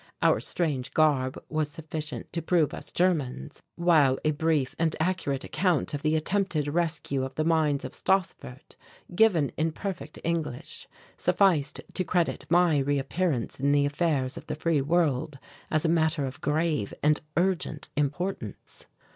Our strange garb was sufficient to prove us Germans, while a brief and accurate account of the attempted rescue of the mines of Stassfurt, given in perfect English, sufficed to credit my reappearance in the affairs of the free world as a matter of grave and urgent importance.